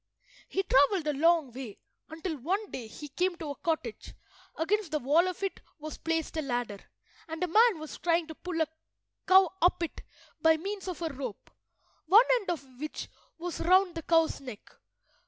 He travelled a long way, until one day he came to a cottage, against the wall of it was placed a ladder, and a man was trying to pull a cow up it by means of a rope, one end of which was round the cow's neck.